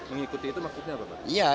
mengikuti itu maksudnya apa pak